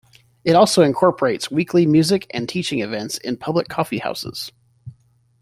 It also incorporates weekly music and teaching events in public coffeehouses.